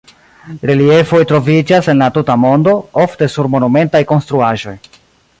Reliefoj troviĝas en la tuta mondo, ofte sur monumentaj konstruaĵoj.